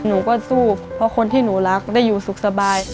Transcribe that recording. หนูก็สู้เพราะคนที่หนูรักได้อยู่สุขสบาย